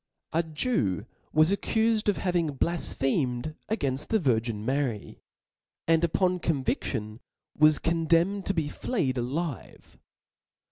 A Jew was accufed of having blafphemed againft the Virgin, Mary ; and upon conviAion was con demned to be flead alive.